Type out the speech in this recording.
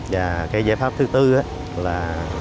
và cái giải pháp thứ tư là